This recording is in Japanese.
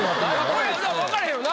これ分からへんよな